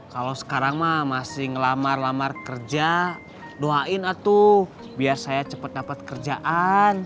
kalau sekarang mah masih ngelamar lamar kerja doain aduh biar saya cepat dapat kerjaan